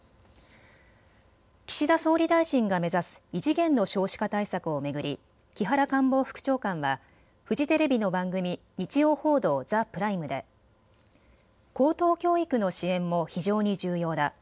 岸田総理大臣が目指す異次元の少子化対策を巡り木原官房副長官はフジテレビの番組、日曜報道ＴＨＥＰＲＩＭＥで高等教育の支援も非常に重要だ。